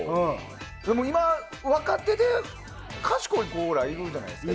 でも今、若手で賢い子らいるじゃないですか。